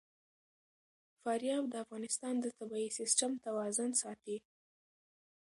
فاریاب د افغانستان د طبعي سیسټم توازن ساتي.